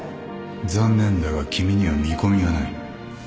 残念だが君には見込みがない